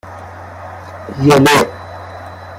ژله